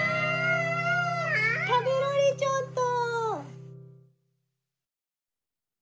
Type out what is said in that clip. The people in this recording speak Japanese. たべられちゃった。